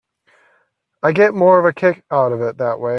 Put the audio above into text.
I get more of a kick out of it that way.